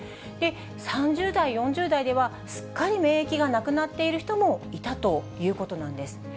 ３０代、４０代ではすっかり免疫がなくなっている人もいたということなんです。